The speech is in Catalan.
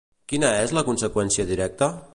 Quina és la conseqüència directa?